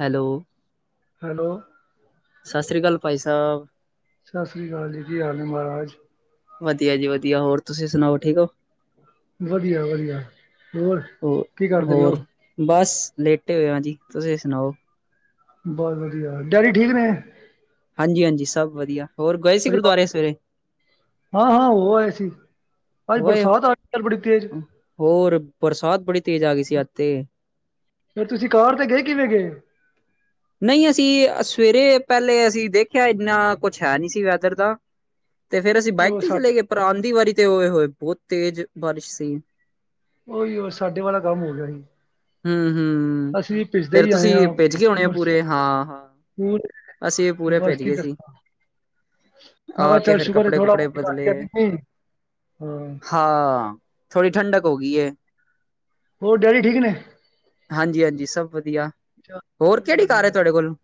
Hello. Hello. ਸਸ ਸ਼੍ਰੀ ਕਾਲ ਭਾਈ ਸਾਬ। ਸਸ ਸ੍ਰੀ ਕਾਲ ਜੀ ਕੀ ਹਾਲ ਨੇ ਮਹਾਰਾਜ? ਵਧੀਆ ਜੀ ਵਧੀਆ ਹੋਰ ਤੁਸੀ ਸੁਣਾਓ ਠੀਕ ਓ? ਵਧੀਆ-ਵਧੀਆ। ਹੋ ਹੋਰ ਬਸ ਲੇਟੇ ਹੋਏ ਆ ਜੀ ਤੁਸੀਂ ਸੁਣਾਓ। ਬਹੁਤ ਵਧੀਆ ਡੈਡੀ ਠੀਕ ਨੇ! ਹਾਂਜੀ ਹਾਂਜੀ ਸਭ ਵਧੀਆ। ਹੋਰ ਗਏ ਸੀ ਗੁਰਦੁਆਰੇ ਸਵੇਰੇ। ਹਾਂ-ਹਾਂ ਹੋ ਆਏ ਸੀ ਅੱਜ ਹੋਏ ਬਰਸਾਤ ਆ ਗੱਲ ਬੜੀ ਤੇਜ਼। ਹੋਰ ਬਰਸਾਤ ਬੜੀ ਤੇਜ਼ ਆ ਗਈ ਸੀ ਅੱਜ ਤੇ। ਫਿਰ ਤੁਸੀਂ ਕਾਰ ਤੇ ਗਏ ਕਿਵੇਂ ਗਏ? ਨਹੀਂ ਅਸੀਂ ਸਵੇਰੇ ਪਹਿਲੇ ਅਸੀਂ ਦੇਖਿਆ ਇੰਨਾ ਕੁੱਛ ਹੈ ਨਹੀਂ ਸੀ ਐਦਰ ਦਾ। ਤੇ ਫੇਰ ਅਸੀਂ ਬਾਈਕ ਉਹ ਤੇ ਹੀ ਚੱਲੇ ਸਾਡੇ ਗਏ ਪਰ ਆਂਦੀ ਵਾਰੀ ਤੇ ਉਏ-ਹੋਏ ਬਹੁਤ ਤੇਜ਼ ਬਾਰਿਸ਼ ਸੀ। ਉਹੀਓ ਸਾਡੇ ਵਾਲਾ ਕੰਮ ਹੋ ਗਿਆ ਜੀ। ਹੂੰ ਹੂੰ ਅਸੀਂ ਵੀ ਭਿਜਦੇ ਫੇਰ ਹੀ ਆਏ ਹਾਂ ਤੁਸੀਂ ਭਿੱਜ ਗਏ ਹੋਣੇ ਬਸ ਪੂਰੇ ਹਾਂ ਹਾਂ ਹੋਰ ਅਸੀਂ ਪੂਰੇ ਬਸ ਭਿੱਜ ਕੀ ਗਏ ਸੀ ਦੱਸਾਂ- ਮੈ ਕਿਹਾ ਆਕੇ ਚੱਲ ਫੇਰ ਸ਼ੂਕਰ ਏ ਕੱਪੜੇ ਕੁਪੜੇ ਥੋੜਾ-ਬੋਤ ਘੱਟ ਬਦਲੇ ਗਿਆ ਮੀਹ ਹਾਂ। ਹਾਂ ਥੋੜ੍ਹੀ ਠੰਡਕ ਹੋ ਗਈ ਏ। ਹੋਰ ਡੈਡੀ ਠੀਕ ਨੇ ਹਾਂਜੀ-ਹਾਂਜੀ ਸਭ ਵਧੀਆ।। ਚੱਲ ਹੋਰ ਕਿਹੜੀ ਕਾਰ ਏ ਵਧੀਆ ਤੁਹਾਡੇ ਕੋਲ?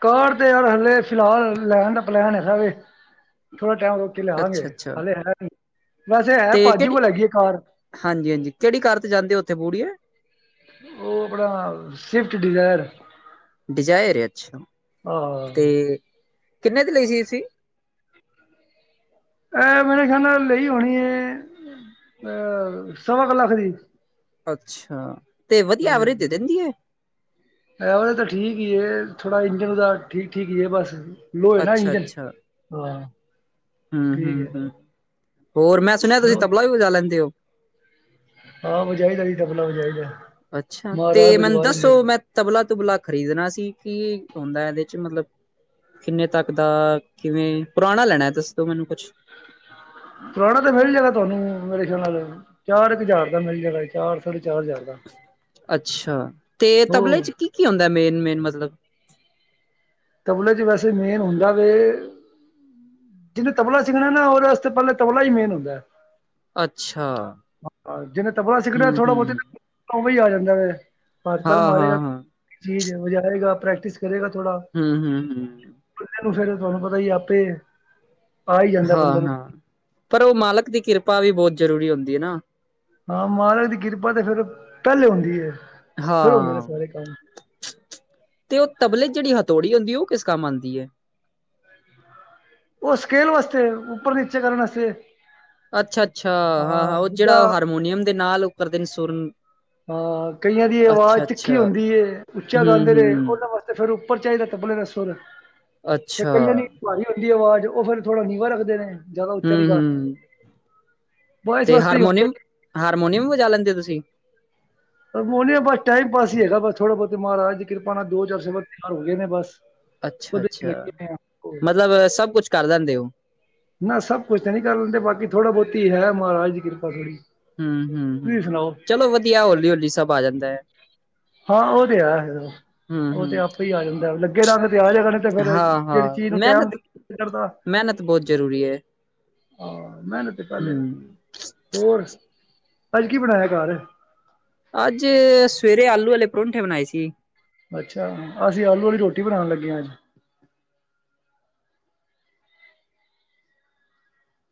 ਕਾਰ ਤੇ ਯਾਰ ਹਣ ਲੇ ਫਿਲਹਾਲ ਲੈਣ ਦਾ ਪਲੈਨ ਹੈਗਾ ਵੇ ਥੋੜਾ ਟੈਮ ਲੱਗੇ ਕੇ ਲਿਆਗੇ ਅੱਛਾ ਅੱਛਾ ਹੱਲੇ ਹੈ ਨੀ ਵੈਸੇ ਹੈ ਪਾਜੀ ਕੋਲ ਹੈਗੀ ਏ ਕਾਰ। ਹਾਂਜੀ-ਹਾਂਜੀ ਕਿਹੜੀ ਕਾਰ ਤੇ ਜਾਂਦੇ ਉੱਥੇ ਬੂੜੀਏ? ਉਹ ਆਪਣਾ ਸਵਿਫਟ ਡਿਜ਼ਾਇਰ। ਡਿਜ਼ਾਇਰ ਏ ਅੱਛਾ ਹਾਂ ਤੇ ਕਿੰਨੇ ਦੀ ਲਈ ਸੀ ਤੁਸੀਂ? ਇਹ ਮੇਰੇ ਖਿਆਲ ਨਾ ਲਈ ਹੋਣੀ ਅਹ ਸਵਾ ਕੁ ਲੱਖ ਦੀ। ਅੱਛਾ ਤੇ ਵਧੀਆ ਹਾਂਜੀ ਐਵਰੇਜ ਹਾਂਜੀ ਦੇ ਦਿੰਦੀ ਏ। ਐਵਰੇਜ ਤਾਂ ਠੀਕ ਈ ਏ ਥੋੜਾ ਇੰਜਨ ਉਹਦਾ ਠੀਕ-ਠੀਕ ਈ ਬਸ ਲੋ ਏ ਨਾ ਅੱਛਾ ਇੰਜਨ ਹਾਂ। ਠੀਕ ਹੈ ਹੂੰ-ਹੂੰ-ਹੂੰ ਹੋਰ ਮੈਂ ਸੁਣਿਆ ਤੁਸੀਂ ਹੋਰ? ਤਬਲਾ ਵੀ ਵਜਾ ਲੈਂਦੇ ਹੋ। ਹਾਂ ਵਜਾਇਦਾ ਵੀ ਤਬਲਾ ਵਜਾਈਦਾ। ਅੱਛਾ ਤੇ ਮੈਨੂੰ ਦੱਸੋ ਮੈਂ ਤਬਲਾ-ਤੁਬਲਾ ਖਰੀਦਣਾ ਸੀ ਕੀ ਹੁੰਦਾ ਇਹਦੇ ਚ ਮਤਲਬ ਕਿੰਨੇ ਤੱਕ ਦਾ ਕਿਵੇਂ ਪੁਰਾਣਾ ਲੈਣਾ ਹੈ ਦੱਸੋ ਮੈਨੂੰ ਕੁੱਛ ਪੁਰਾਣਾ ਤੇ ਮਿਲ ਜਾਏਗਾ ਤੁਹਾਨੂੰ ਮੇਰੇ ਖਿਆਲ ਨਾਲ ਚਾਰ ਕੇ ਹਜ਼ਾਰ ਦਾ ਮਿਲ ਜਾਏਗਾ ਚਾਰ-ਸਾਢੇ ਚਾਰ ਹਜ਼ਾਰ ਦਾ। ਅੱਛਾ ਤੇ ਤਬਲੇ ਉਹ ਚ ਕੀ-ਕੀ ਹੁੰਂਦਾ ਮੇਨ-ਮੇਨ ਮਤਲਬ ਤਬਲੇ ਚ ਵੈਸੇ ਮੇਨ ਹੁੰਦਾ ਵੇ ਜਿਨੇ ਤਬਲਾ ਸਿੱਖਣਾ ਨਾ ਉਹਦੇ ਵਾਸਤੇ ਪਹਿਲੇ ਤਬਲਾ ਹੀ ਮੇਨ ਹੁੰਦਾ। ਅੱਛਾ, ਜਿਨੇ ਤਬਲਾਾ ਸਿਖਣਾ ਥੌੜਾ-ਬੋਤੀ ਹੂੰ-ਹੂੰ, ਤੇ ਉਹ ਵੇ ਹੀ ਆ ਜਾਂਦਾ ਵੇ ਹ਼ੱਥ-ਪੈਰ ਮਾਰੇਗਾ ਹਾਂ-ਹਾਂ-ਹਾਂ, ਚੀਜ਼ ਵਜਾਰੇਗਾ ਪ੍ਰੈਕਟਿਸ ਕਰੇਗਾ ਥੋੜਾ ਹੂੰ-ਹੂੰ-ਹੂੰ। ਫੇਰ ਤੁਹਾਨੂੰ ਪਤਾ ਹੀ ਆਪੇ। ਆ ਹੀ ਜਾਂਦਾ ਬੰਦੇ ਨੂੰ ਹਾਂ-ਹਾਂ ਪਰ ਉਹ ਮਾਲਕ ਦੀ ਕਿਰਪਾ ਵੀ ਬਹੁਤ ਜ਼ਰੂਰੀ ਹੁੰਦੀ ਏ ਨਾ। ਹਾਂ ਮਹਾਰਾਜ ਦੀ ਕਿਰਪਾ ਤਾਂ ਫੇਰ ਪਹਿਲੇ ਹੁੰਦੀ ਏ ਫਿਰ ਹੁੰਦੇ ਨੇ ਹਾਂ। ਸਾਰੇ ਕੰਮ। ਤੇ ਉਹ ਤਬਲੇ ਚ ਜਿਹੜੀ ਹਥੌੜੀ ਹੁੰਦੀ ਏ ਉਹ ਕਿਸ ਕੰਮ ਆਂਦੀ ਏ? ਉਹ ਸਕੇੇਲ ਵਸਤੇ ਉੱਪਰ-ਨੀਚੇ ਕਰਨ ਵਾਸਤੇ‌ ਅੱਛਾ-ਅੱਛਾ ਹਾਂ-ਹਾਂ ਉਹ ਜਿਹੜਾ ਜਿੱਦਾਂ ਹੱਰਮੋਨੀਅਮ ਦੇ ਨਾਲ ਉਹ ਕਰਦੇ ਨੇ ਸੁਰ ਨੂੰ ਹਾਂ ਕਈਆਂ ਦੀ ਆਵਾਜ਼ ਤਿੱਖੀ ਹੁੰਦੀ ਏ ਉੱਚਾ ਗਾਂਦੇ ਨੇ ਹੂੰ-ਹੂੰ, ਉਹਨਾਂ ਵਾਸਤੇ। ਤੇ ਫੇਰ ਉੱਪਰ ਚਾਹੀਦਾ ਤਬਲੇ ਦਾ ਸੁਰ ਫਿਰ ਅੱਛਾ, ਕਈਆਂ ਨੇ ਭਾਰੀ ਹੁੰਦੀ ਆਵਾਜ਼ ਉਹ ਫੇਰ ਥੋੜਾ ਨੀਵਾਂ ਰੱਖਦੇ ਨੇ ਜਿਆਦਾ ਉੱਚਾ ਨੀ ਕਰ ਹੂੰ-ਹੂੰ ਤੇ ਹੀ ਹੁੰਦੀ ਹੈ ਹੱਰਮੋਨੀਅਮ, ਕਿ ਹਾਰਮੋਨੀਅਮ ਵੀ ਵਜਾ ਲੈਂਦੇ ਹੋ ਤੁਸੀਂ। ਹਰਮੋਨਿਅਮ ਬਸ ਟਾਈਮ ਪਾਸ ਹੀ ਹੈਗਾ ਬਸ ਥੋੜਾ ਬਹੁਤੇ ਮਹਾਰਾਜ ਦੀ ਕਿਰਪਾ ਨਾਲ ਦੋ ਚਾਰ ਸੁਰਾ ਤਿਆਰ ਹੋ ਗਏ ਨੇ ਬਸ। ਉਹਦੇ ਚ ਹੀ ਅੱਛਾ-ਅੱਛਾ ਲੱਗੇ ਨੇ ਆ ਹੋਰ ਮਤਲਬ ਸਭ ਕੁਛ ਕਰ ਲੈੰਦੇ ਹੋ। ਨਾ ਸਭ-ਕੁਛ ਤਾਂ ਨਹੀਂ ਕਰ ਲੈਂਦੇ ਬਾਕੀ ਥੋੜਾ ਬਹੁਤੀ ਹੈ ਮਹਾਰਾਜ ਦੀ ਕਿਰਪਾ ਥੋੜ੍ਹੀ ਹੂੰ-ਹੂੰ-ਹੂੰ ਚਲੋ ਵਧੀਆ ਹੌਲੀ-ਹੌਲੀ ਸਭ ਆ ਜਾਂਦਾ। ਹਾਂ ਉਹ ਤੇ ਆਜੇਗਾ। ਉਹ ਤੇ ਹੂੰ-ਹੂੰ, ਆਪੇ ਹੀ ਆ ਜਾਂਦਾ ਲੱਗੇ ਰਹਿੰਗਾ ਤੇ ਆ ਜੇਗਾ ਤੇ ਫੇਰ ਜਿਹੜੀ ਚੀਜ਼ ਨੂੰ ਟੈਮ ਨੀ ਲਗਦਾ ਮਿਹਨਤ ਬਹੁਤ ਜ਼ਰੂਰੀ ਐ। ਆਹ ਮਹਿਨਤ ਤੇ ਪਹਿਲੇ ਹੂੰ। ਹੋਰ ਅੱਜ ਕੀ ਬਣਾਇਆ ਘੱਰ? ਅੱਜ ਸਵੇਰੇ ਆਲੂ ਵਾਲੇ ਪਰੌਂਠੇ ਬਣਾਏ ਸੀ। ਅੱਛਾ ਅਸੀਂ ਆਲੂ ਵਾਲੀ ਰੋਟੀ ਬਣਾਣ ਲੱਗੇ ਆ ਅੱਜ।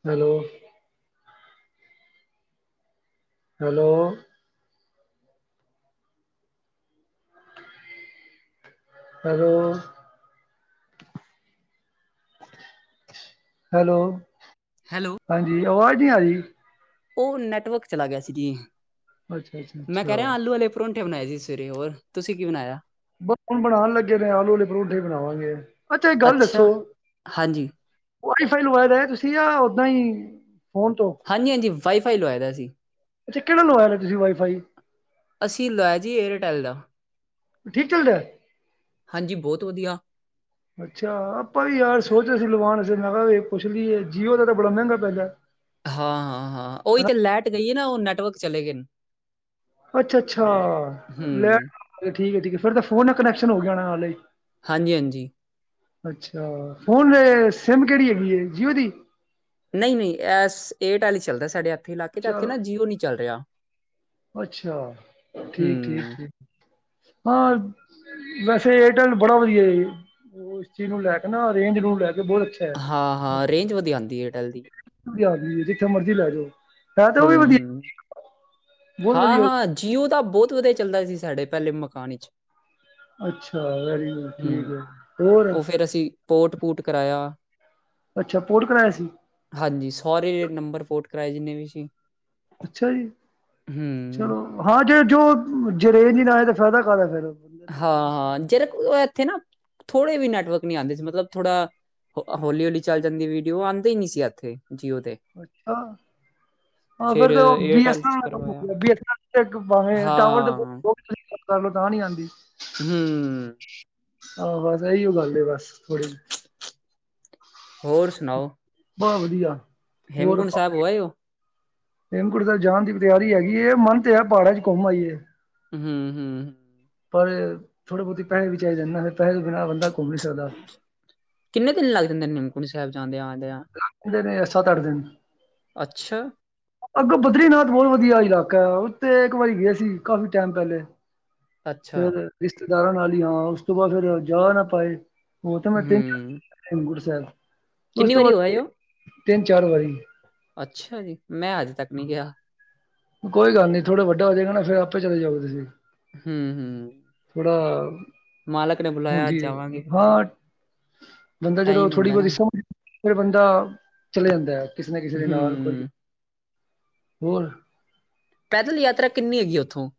Hello, hello, hello, hello, hello, ਹਾਂਜੀ, ਆਵਾਜ਼ ਨਹੀਂ ਆ ਰਹੀ। ਉਹ ਨੈਟਵਰਕ ਚਲਾ ਗਿਆ ਸੀ, ਜੀ ਅੱਛਾ, ਅੱਛਾ, ਮੈਂ ਕਹਿ ਅੱਛਾ। ਰਿਹਾ ਆਲੂ ਵਾਲੇ ਪਰੌਂਠੇ ਬਣਾਏ ਸੀ, ਸਵੇਰੇ ਹੋਰ ਤੁਸੀਂ ਕੀ ਬਣਾਇਆ? ਹੁਣ ਬਣਾਉਣ ਲੱਗੇ, ਨੇ ਆਲੂ ਵਾਲੇ ਪਰੌਠੇ ਬਣਾਵਾਂਗੇ ਅੱਛਾ ਇਹ ਗੱਲ ਦੱਸੋ। ਹਾਂਜੀ, ਵਾਈ ਫਾਈ ਲਵਾਇਦਾ ਹੈ, ਤੁਸੀਂ ਜਾਂ ਓਦਾਂ ਹੀ ਫੋਨ ਤੋਂ ਹਾਂਜੀ-ਹਾਂਜੀ, ਵਾਈਫਾਈ ਲਵਾਇ ਦਾ ਸੀ। ਅੱਛਾ, ਕਿਹੜਾ ਲਵਾਇਆ ਨੇ ਤੁਸੀਂ ਵਾਈਫਾਈ? ਅਸੀਂ ਲੋਇਆ ਜੀ ਏਅਰਟੈਲ ਦਾ। ਠੀਕ ਚੱਲ ਰਿਹਾ। ਹਾਂਜੀ ਬਹੁਤ ਵਧੀਆ, ਅੱਛਾ ਆਪਾਂ ਵੀ ਯਾਰ ਸੋਚ ਅ ਸੀ, ਲਵਾਨ ਅ ਲਗਾ ਪੁੱਛ ਲਈਏ ਜੀਓ, ਦਾ ਤਾਂ ਬੜਾ ਮਹਿੰਗਾ ਪੈਲ ਹਾਂ-ਹਾਂ-ਹਾਂ, ਉਹੀ ਤਾਂ ਲੈਟ ਗਈ ਹੈ, ਨਾ ਉਹ ਨੈਟਵਰਕ ਚਲੇ ਗਏ ਨੇ। ਅੱਛਾ-ਅੱਛਾ, ਲੈ ਹੂੰ ਠੀਕ-ਠੀਕ ਫੇਰ ਤਾਂ ਫੋਨ ਨਾਲ ਕਨੈਕਸ਼ਨ ਹੋ ਜਾਣਾ ਹਾਲ ਹੀ। ਹਾਂਜੀ-ਹਾਂਜੀ, ਅੱਛਾ, ਫੋਨ ਸਿਮ ਕਿਹੜੀ ਹੈਗੀ ਹੈ, ਜੀਓ ਦੀ? ਨਹੀਂ ਨਹੀਂ ਇਸ ਏਅਰਟੈਲ ਹੀ ਚੱਲਦਾ, ਸਾਡੇ ਇੱਥੇ ਇਲਾਕੇ ਇੱਥੇ ਚਲੋ ਨਾ ਜੀਓ ਨਹੀਂ ਚੱਲ ਰਿਹਾ। ਅੱਛਾ ਠੀਕ ਈ ਹੂੰ ਹੈ। ਹਾਂ ਵੈਸੇ ਏਅਰਟੈਲ ਬੜਾ ਵਧੀਆ ਹੈ। ਉਹ ਇਸ ਚੀਜ਼ ਨੂੰ ਲੈ ਕੇ ਨਾ ਅਰੇਂਜ ਨੂੰ ਲੈ ਕੇ ਬਹੁਤ ਅੱਛਾ, ਹਾਂ ਹਾਂ ਰੇਂਜ ਵਧੀਆ ਆਉਂਦੀ ਏਅਰਟੈਲ ਦੀ ਆਦ ਜਿੱਥੇ ਮਰਜ਼ੀ ਲੈ ਜਾਓ। ਹੈ ਤੇ ਹੂੰ ਉਹ ਵੀ ਵਧੀਆ, ਹੂੰ ਬਹੁਤ ਹਾਂ ਵਧੀਆ ਹਾਂ ਜੀਓ ਤਾਂ ਬਹੁਤ ਵਧੀਆ ਚੱਲਦਾ ਸੀ, ਸਾਡੇ ਪਹਿਲੇ ਮਕਾਨ ਵਿੱਚ। ਅੱਛਾ, ਵੈਰੀ ਗੁੱਡ ਠੀਕ ਹੂੰ ਹੈ ਹੋਰ। ਕਿਰਾਇਆ, ਅੱਛਾ ਪੋਰਟ ਕਰਇਆ ਸੀ। ਹਾਂਜੀ, ਸੋਰੀ ਨੰਬਰ ਫੋਟ ਕਰਵਾਏ, ਜਿੰਨੇ ਵੀ ਸੀਂ। ਅੱਛਾ ਜੀ, ਹੂੰ, ਚਲੋ ਹਾਂ ਜੇ ਜੋ ਜਰੇ ਨ ਲਾਏ ਤਾਂ ਫਾਇਦਾ ਕਾਹਦਾ ਫੇਰ ਹਾਂ-ਹਾਂ, ਜਿਹੜ ਇੱਥੇ ਨਾ ਥੋੜੇ ਵੀ ਨੈਟਵਰਕ ਨਹੀਂ ਆਉਂਦੇ ਸੀ, ਮਤਲਬ ਥੋੜ੍ਹਾ ਹੌਲੀ-ਹੌਲੀ, ਚੱਲ ਜਾਂਦੀ ਵੀਡੀਓ ਆਉਂਦੇ ਹੀ ਨਹੀਂ ਸੀ, ਇੱਥੇ ਜੀਓ ਤੇ ਅੱਛਾ, ਹਾਂ, ਫਿਰ ਤੇ ਬੀ ਏਅਰਟੈਲ 'ਚ ਐਸਨਲ ਕਰਵਾਇਆ ਹਾਂ ਟਾਵਰ ਲੋ ਤਾਂ ਨੀ ਆਦੀ। ਹੂੰ, ਆਹੋ ਤਾਂ ਇਹੀਓ ਗੱਲ ਬਸ ਥੋੜ੍ਹੀ ਹੋਰ ਸੁਣਾਓ? ਬਸ ਵਧੀਆ, ਹੋਰ ਹੇਮਕੁੰਡ ਸਾਹਿਬ ਹੋ ਆਏ ਹੋ? ਹੇਮਕੁੰਟ ਸਾਬ ਜਾਣ ਦੀ ਤਿਆਰੀ ਹੈਗੀ, ਇਹ ਮਨ ਤੇ ਹੈ ਪਹਾੜਾਂ ਚ ਘੁੰਮ ਆਈਏ। ਹੂੰ-ਹੂੰ। ਪਰ ਥੋੜੇ ਬਹੁਤੀ ਪੈਸੇ ਵਿੱਚਾਈ ਜਾਂਦਾ ਫੇਰ ਪੈਸੇ ਬਿਨਾਂ ਬੰਦਾ ਘੁੰਮ ਨੀ ਸਕਦਾ। ਕਿੰਨੇ ਦਿਨ ਲੱਗ ਜਾਂਦੇ, ਨਿਮਕੁੰੜ ਸਾਹਿਬ ਜਾਂਦੇ ਆਦੀਆਂ। ਦੇ ਨੇ ਸੱਤ ਅੱਠ ਦਿਨ ਅੱਛਾ। ਅੱਗੋਂ ਬਦਰੀਨਾਥ ਬਹੁਤ ਵਧੀਆ ਇਲਾਕਾ ਹੈ। ਉੱਥੇ ਇੱਕ ਵਾਰੀ ਗਏ ਸੀ ਕਾਫ਼ੀ ਟਾਈਮ ਪਹਿਲੇ। ਅੱਛਾ। ਫੇਰ ਰਿਸ਼ਤੇਦਾਰਾਂ ਨਾਲ ਹੀ ਹਾਂ। ਉਸ ਤੋਂ ਬਾਅਦ ਫੇਰ ਜਾ ਨਾ ਪਾਏ। ਉਹ ਤਾਂ ਮੈਂ ਤਿੰਨ ਹੂੰ, ਹੇਮਕੁੰਟ ਸਾਹਿਬ। ਉਸ ਕਿੰਨੀ ਤੋਂ ਵਾਰੀ ਹੋ ਬਾਅਦ ਆਏ ਹੋ? ਤਿੰਨ -ਚਾਰ ਵਾਰੀ ਅੱਛਾ ਜੀ। ਮੈਂ ਅੱਜ ਤੱਕ ਨਹੀਂ ਗਿਆ। ਕੋਈ ਗੱਲ ਨੀ ਥੋੜ੍ਹੇ ਵੱਡਾ ਹੋਗੇ ਨਾ। ਫਿਰ ਆਪੇ ਚਲੇ ਜਾਓ ਗੇ ਤੁਸੀਂ। ਹੂੰ ਹੂੰ। ਥੋੜਾ ਮਾਲਕ ਨੇ ਬੁਲਾਇਆ ਹੁੰਦੀ ਹੈ ਜਾਵਾਂਗੇ ਫਿਰ ਤੇ, ਹਾਂ। ਬੰਦਾ ਜਦੋਂ ਟਾਈਮ ਥੋੜੀ ਹੁੰਦਾ ਬਹੁਤੀ ਨਾ। ਸਮਝ ਲੈਂਦੇ। ਫਿਰ ਬੰਦਾ ਚਲੇ ਜਾਂਦਾ ਐ। ਕਿਸੇ ਨਾ ਕਿਸੇ ਦੇ ਨਾਲ ਕੋਈ ਹੂੰ, ਹੋਰ ਪੈਦਲ ਯਾਤਰਾ ਕਿੰਨੀ ਹੈਗੀ ਉੱਥੋਂ?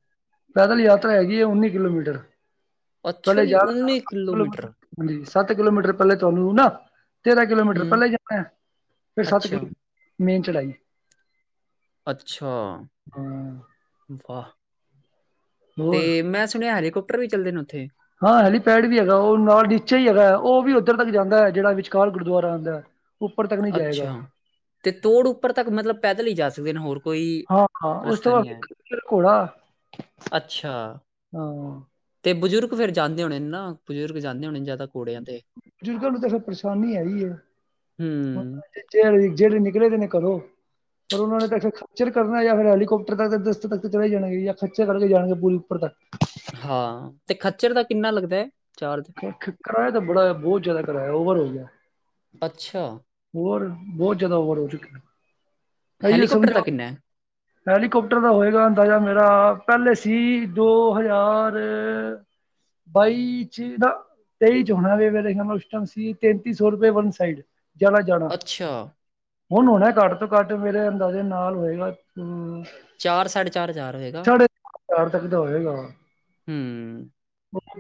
ਪੈਦਲ ਯਾਤਰਾ ਹੈਗੀ ਆ। ਉੱਨੀ ਕਿਲੋਮੀਟਰ ਅੱਛਾ ਪਹਿਲੇ ਜੀ। ਜਾ ਉੱਨੀ ਕਿਲੋਮੀਟਰ। ਹਾਂਜੀ ਸੱਤ ਕਿਲੋਮੀਟਰ ਪਹਿਲੇ ਤੂਰ ਲੈਣਾ ਨਾ। ਤੇਰਾਂ ਕਿਲੋਮੀਟਰ ਹੂੰ, ਪਹਿਲਾਂ ਜਾਣਾ। ਫਿਰ ਸੱਤ ਅੱਛਾ, ਕਿਲੋਮੀਟਰ ਮੇਨ ਚੜ੍ਹਾਈ। ਅੱਛਾ ਵਾਹ। ਹੋਰ ਤੇ ਮੈਂ ਸੁਣਿਆ ਹੈਲੀਕਾਪਟਰ ਵੀ ਚੱਲਦੇ ਨੇ ਉੱਥੇ? ਹਾਂ ਹੈਲੀਪੈਡ ਵੀ ਹੈਗਾ। ਉਹ ਨਾਲ ਨੀਚੇ ਹੀ ਹੈਗਾ। ਉਹ ਵੀ ਉੱਧਰ ਤੱਕ ਜਾਂਦਾ ਹੈ ਜਿਹੜਾ ਵਿਚਕਾਰ ਗੁਰਦੁਆਰਾ ਆਉਂਦਾ। ਉੱਪਰ ਤੱਕ ਨਹੀਂ ਜਾਏਗਾ। ਅੱਛਾ। ਤੇ ਥੋੜੀ ਉੱਪਰ ਤੱਕ ਮਤਲਬ ਪੈਦਲ ਹੀ ਜਾ ਸਕਦੇ ਨੇ, ਹੋਰ ਕੋਈ ਹਾਂ ਹਾਂ ਉਸ ਤੋਂ ਰਸਤਾ ਨਹੀਂ ਬਾਅਦ ਐ। ਫਿਰ ਘੋੜਾ ਅੱਛਾ। ਹੂੰ ਤੇ ਬਜ਼ੁਰਗ ਫੇਰ ਜਾਂਦੇ ਹੋਣੇ ਨਾ। ਬਜ਼ੁਰਗ ਜਾਂਦੇ ਹੋਣੇ ਜ਼ਿਆਦਾ। ਘੋੜਿਆਂ ਤੇ ਬਜ਼ੁਰਗਾਂ ਨੂੰ ਤਾਂ ਫਿਰ ਪਰੇਸ਼ਾਨੀ ਹੈ ਹੀ ਹੈ। ਹੂੰ ਜਿਹੜੇ-ਜਿਹੜੇ ਨਿਕਲੇ ਤੇ ਨੇ ਘਰੋਂ, ਪਰ ਉਹਨਾਂ ਨੇ ਤਾਂ ਫੇਰ ਖੱਚਰ ਕਰਨਾ ਜਾਂ ਫਿਰ ਹੈਲੀਕੋਪਟਰ ਤੱਕ ਦਸ ਤੱਕ ਚਲੇ ਹੀ ਜਾਣਗੇ। ਜਾਂ ਖੱਚਰ ਕਰਕੇ ਜਾਣਗੇ ਪੂਰੀ ਉੱਪਰ ਤੱਕ। ਹਾਂ ਤੇ ਖੱਚਰ ਦਾ ਕਿੰਨਾ ਲੱਗਦਾ ਹੈ ਚਾਰਜ? ਕਿਰਾਇਆ ਤਾਂ ਬੜਾ ਬਹੁਤ ਜ਼ਿਆਦਾ ਕਿਰਾਇਆ ਓਵਰ ਹੋ ਗਿਆ। ਅੱਛਾ। ਹੂੰ। ਬਹੁਤ ਜਿਆਦਾ ਓਵਰ ਹੋ ਚੁੱਕਿਆ। ਇਹਿਓ ਹੈਲੀਕਾਪਟਰ ਦਾ ਸਮਝਿਓ ਕਿੰਨਾ ਹੈ ਹੈਲੀਕੋਪਟਰ ਦਾ ਹੋਏਗਾ ਅੰਦਾਜ਼ਾ ਮੇਰਾ। ਪਹਿਲੇ ਸੀ ਦੋ ਹਜ਼ਾਰ ਬਈ ਚ ਨਾ- ਤੇਈ ਚੋ ਮੇਰੇ ਉਸ ਟਾਈਮ ਸੀ, ਤੇੈਂਤੀ ਸੌ ਰੁਪਏ ਵੰਨ ਸਾਈਡ। ਜਾਣਾ-ਜਾਣਾ ਅੱਛਾ ਹੁਣ -ਹਣਾ ਘੱਟ ਤੋ ਘੱਟ ਮੇਰੇ ਅੰਦਾਜ਼ੇ ਨਾਲ ਹੋਏਗਾ ਹੂੰ। ਚਾਰ- ਸਾਢੇ ਚਾਰ ਹਜ਼ਾਰ ਹੋਏਗਾ? ਪਾਰ ਤੱਕ ਦਾ ਹੋਏਗਾ ਓ। ਹੂੰ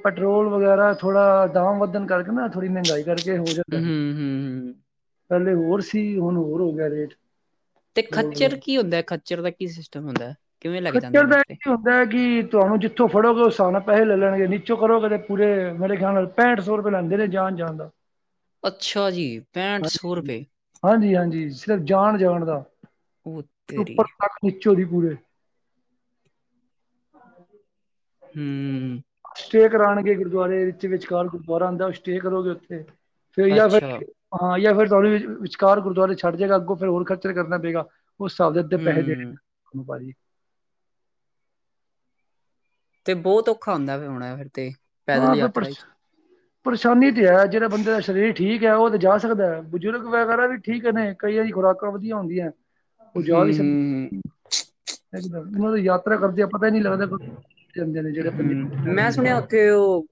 ਪੈਟਰੋਲ ਵਗੈਰਾ ਥੋੜਾ ਦਾਮ ਵੱਧਣ ਕਰਕੇ ਨਾ ਥੋੜ੍ਹੀ ਮਹਿੰਗਾਈ ਕਰਕੇ ਹੋ ਜਾਂਦਾ। ਹੂੰ ਫਿਰ ਹੂੰ ਹੂੰ। ਪਹਿਲੇ ਹੋਰ ਸੀ। ਹੁਣ ਹੋਰ ਹੋ ਗਿਆ ਰੇਟ। ਤੇ ਪੈਟਰੋਲ ਵਗੈਰਾ ਖੱਚਰ ਕੀ ਹੁੰਦਾ ਹੈ। ਖੱਚਰ ਦਾ ਕੀ ਸਿਸਟਮ ਹੁੰਦਾ ਹੈ? ਕਿਵੇਂ ਲੱਗ ਜਾਂਦੇ ਖੱਚਰ ਨੇ ਦਾ ਉਹਦੇ ਤੇ ਕੀ ਕਿ ਤੁਹਾਨੂੰ ਜਿੱਥੋਂ ਫੜੋਗੇ। ਉਸ ਸ ਨਾਲ ਪੈਸੇ ਲੈ ਲੈਣਗੇ। ਨੀਚੋਂ ਕਰੋਗੇ ਤੇ ਪੂਰੇ ਮੇਰੇ ਖਿਆਲ ਨਾਲ ਪੈਂਠ ਸੌ ਰੁਪਏ ਲੈਂਦੇ ਨੇ ਜਾਣ-ਜਾਣ ਦਾ। ਅੱਛਾ ਜੀ ਪੈਂਠ ਸੌ ਹਾਂਜੀ ਰੁਪਏ। ਹਾਂਜੀ ਹਾਂਜੀ। ਸਿਰਫ ਜਾਣ- ਜਾਣ ਦਾ, ਉਹ ਤੇਰੀ ਉੱਪਰ ਤੱਕ ਨਿਚੋਂ ਦੀ ਪੂਰੇ। ਹੂੰ ਸਟੇ ਕਰਾਉਣਗੇ ਗੁਰਦੁਆਰੇ ਵਿੱਚ ਵਿਚਕਾਰ ਗੁਰਦੁਆਰਾ ਆਉਂਦਾ। ਸਟੇ ਕਰੋਗੇ ਉੱਥੇ, ਫੇਰ ਜਾਂ ਅੱਛਾ ਫਿਰ- ਹਾਂ ਜਾਂ ਫਿਰ। ਤੁਹਾਡੇ ਵਿਚਕਾਰ ਗੁਰਦੁਆਰੇ ਛੱਡ ਜਾਏਗਾ। ਅੱਗੋਂ ਫਿਰ ਹੋਰ ਖਚਰ ਕਰਨਾ ਪਏਗਾ। ਉਸ ਹਿਸਾਬ ਦੇ ਅੱਧੇ ਪੈਸੇ ਦੇਣੇ ਹੂੰ ਪੈਂਦੇ ਭਾਜੀ। ਤੇ ਬਹੁਤ ਔਖਾ ਹੁੰਦਾ ਹੋਉਦਾ, ਫਿਰ ਏ ਵੀ ਤੇ ਪੈਦਲ ਹਾਂ ਫਪਟ ਯਾਤਰਾ [inaudible] ਚ [unintelligible] ਪਰੇਸ਼ਾਨੀ ਤੇ ਹੈ, ਜਿਹੜਾ ਬੰਦੇ ਦਾ ਸਰੀਰ ਠੀਕ ਹੈ, ਉਹ ਤੇ ਜਾ ਸਕਦਾ ਹੈ, ਬਜ਼ੁਰਗ ਵਗੈਰਾ ਵੀ ਠੀਕ ਹੈ ਨੇ ਕਈ ਵਾਰੀ ਖੁਰਾਕਾਂਧੀਆ ਹੁੰਦੀਆਂ ਹੂ ਹੂ ਹੂ ਮ ਉਹਨਾਂ ਯਾਤਰਾ ਕਰਦੇ ਆ, ਪਤਾ ਹੀ ਨੀ ਲੱਗਦਾ ਜਾਂਦੇ ਨੇ ਜਿਹੜੇ ਪੰਜਾਬਡ ਹੁੰ ਤੇ ਉਹ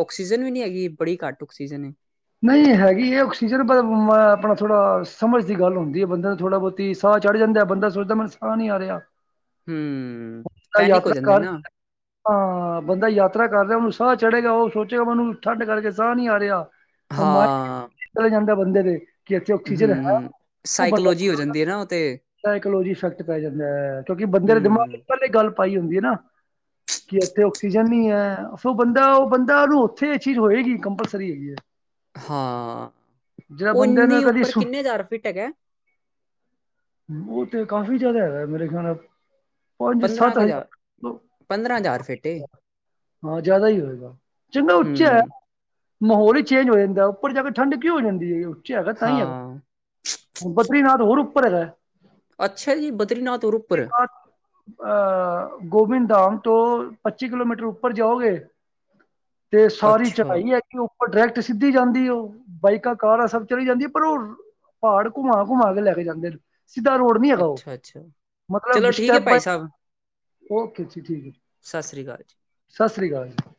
ਆਕਸੀਜਨ ਵੀ ਨੀ ਹੈਗੀ, ਬੜੀ ਘੱਟ ਆਕਸੀਜਨ ਐ ਨਹੀਂ ਹੈਗੀ ਇਹ ਆਕਸੀਜਨ, ਆਪਣਾ ਥੋੜਾ ਸਮਝ ਦੀ ਗੱਲ ਹੁੰਦੀ ਹੈ, ਬੰਦੇ ਨੂੰ ਥੋੜ੍ਹਾ ਬਹੁਤ ਤੇ ਸਾਹ ਚੜ੍ਹ ਜਾਂਦਾ, ਬੰਦਾ ਸੋਚਦਾ ਮੈਨੂੰ ਸਾਹ ਨਹੀਂ ਆ ਰਿਹਾ ਹ [unintelligible] ਯਾਤਰਾ ਕਰ ਹਾਂ ਬੰਦਾ ਯਾਤਰਾ ਕਰ ਰਿਹਾ ਔਨੂੰ ਸਾਹ ਚੜ੍ਹੇਗਾ, ਉਹ ਸੋਚੇਗਾ ਮੈਨੂੰ ਠੰਡ ਕਰਕੇ ਸਾਹ ਨਹੀਂ ਆ ਰਿਹਾ ਔ ਮਰ ਹਾਂ ਚਲਾ ਜਾਂਦਾ, ਬੰਦੇ ਦੇ ਕੀ ਇੱਥੇ ਆਕਸੀਜਨ ਹੈ, ਹੂੰ ਉਹ ਬੰਦਾ ਸਾਈਕੋਲੋਜੀ ਹੋ ਜਾਂਦੀ ਹੈ ਨਾ ਉਹ ਤੇ ਸਾਈਕੋਲੋਜੀ ਇਫਕਟ ਪੈ ਜਾਂਦਾ ਹੈ, ਕਿਉਂਕਿ ਬੰਦੇ ਦੇ ਦਿਮਾਗ ਚ ਹੂੰ ਪਹਿਲੇ ਗੱਲ ਪਾਈ ਹੁੰਦੀ ਹੈ ਨਾ ਕਿ ਉੱਥੇ ਆਕਸੀਜਨ ਨਹੀਂ ਹੈ ਉਹ ਬੰਦਾ ਉਹ ਬੰਦਾ ਉਹਨੂੰ ਉੱਥੇ ਇਹ ਚੀਜ਼ ਹੋਏਗੀ ਕੰਪਲਸਰੀ ਹੈਗੀ ਹੈ ਹਾਂ ਜਿਹੜਾ ਉਹ ਬੰਦੇ ਨੇ ਇੰਨਨੀ ਕਦੀ ਉੱਪਰ, ਸੁ ਕਿੰਨੇ ਹਜ਼ਾਰ ਫਿੱਟ ਹੈਗਾ ਉਹ ਤੇ ਕਾਫੀ ਜਿਆਦਾ ਹੈਗਾ, ਮੇਰੇ ਖਿਆਲ ਪੰਜ ਪੰਦਰਾਂ ਸੱਤ ਕੁ ਹਜ਼ਾਰ, ਪੰਦਰਾਂ ਹਜ਼ਾਰ ਫੀਟ ਏ ਹਾਂ ਜ਼ਿਆਦਾ ਹੀ ਹੋਏਗਾ, ਚੰਗਾ ਉੱਚਾ ਹੈ। ਹੂੰ ਮਾਹੌਲ ਹੀ ਚੇਂਜ ਹੋ ਜਾਂਦਾ, ਉੱਪਰ ਜਾ ਕੇ ਠੰਡ ਕਿਉਂ ਹੋ ਜਾਂਦੀ ਹੈ ਉਥੇ ਹੈਗਾ ਤਾਂ ਹੀ ਹੈਗਾ। ਹਾਂ ਬਦਰੀਨਾਥ ਹੋਰ ਉਪਰ ਹੈਗਾ ਐ ਅੱਛਾ ਜੀ, ਬਦਰੀਨਾਥ ਹੋਰ ਉੱਪਰ ਐ। ਅ ਗੋਬਿੰਦ ਧਾਮ ਤੋਂ ਪੱਚੀ ਕਿਲੋਮੀਟਰ ਉੱਪਰ ਜਾਓਗੇ। [unintelligible] ਤੇ ਸਾਰੀ ਅੱਛਾ ਚੜ੍ਹਾਈ ਹੈ, ਕਿ ਉੱਪਰ ਡਾਇਰੈਕਟ ਸਿੱਧੀ ਜਾਂਦੀ ਉਹ, ਬਾਈਕਾਂ, ਕਾਰਾਂ ਸਭ ਚਲੀ ਜਾਂਦੀ ਪਰ ਉਹ ਪਹਾੜ ਘੁਮਾ ਘੁਮਾ ਕੇ ਲੈ ਕੇ ਜਾਂਦੇ, ਸਿੱਧਾ ਰੋਡ ਨੀ ਹੈਗਾ ਉਹ, ਅੱਛਾ ਅੱਛਾ ਮਤਲਬ ਚਲੋ ਠੀਕ ਸਟੈਪ ਹੈ ਭਾਈ ਬਾਏ ਸਾਹਿਬ ਓਕੇ ਜੀ ਠੀਕ ਹੈ, ਸਤਿ ਸ੍ਰੀ ਅਕਾਲ ਜੀ ਸਤਿ ਸ੍ਰੀ ਅਕਾਲ ਜੀ।